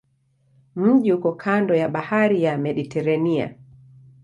Mji uko kando ya bahari ya Mediteranea.